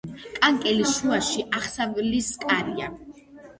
კანკელის შუაში აღსავლის კარია.